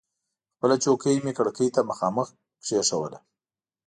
خپله چوکۍ مې کړکۍ ته مخامخ کېښودله.